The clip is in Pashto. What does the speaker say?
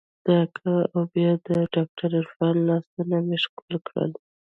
د اکا او بيا د ډاکتر عرفان لاسونه مې ښکل کړل.